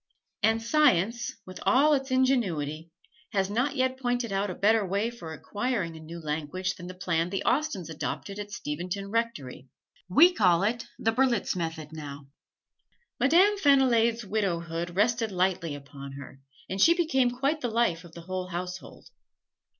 And science with all its ingenuity has not yet pointed out a better way for acquiring a new language than the plan the Austens adopted at Steventon Rectory. We call it the "Berlitz Method" now. Madame Fenillade's widowhood rested lightly upon her, and she became quite the life of the whole household.